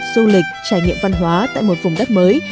du lịch trải nghiệm văn hóa tại một vùng đất mới